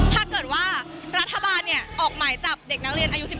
ถ้าเกิดว่ารัฐบาลออกหมายจับเด็กนักเรียนอายุ๑๓